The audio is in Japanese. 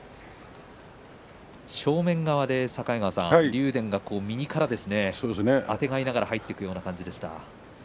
正面側で境川さん、竜電が右からあてがいながら入っていくような感じでした。